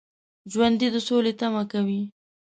ژوندي د سولې تمه کوي